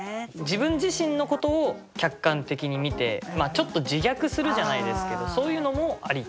自分自身のことを客観的に見てちょっと自虐するじゃないですけどそういうのもあり？